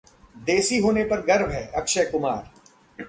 देसी होने पर गर्व है: अक्षय कुमार